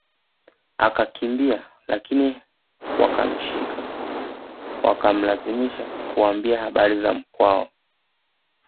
Akakimbia lakini wakamshika wakamlazimisha kuwaambia habari za Mkwawa